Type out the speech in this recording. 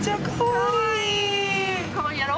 かわいいやろ？